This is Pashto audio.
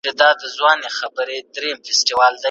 هیڅ پانګوال باید په هېواد کي د ناامنۍ احساس ونه کړي.